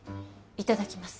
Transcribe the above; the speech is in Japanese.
いただきます